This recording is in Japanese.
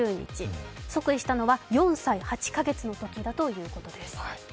即位したのは４歳８カ月のときだということです。